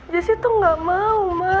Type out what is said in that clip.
jessy tuh gak mau ma